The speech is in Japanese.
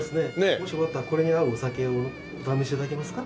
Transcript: もしよかったらこれに合うお酒をお試し頂きますか？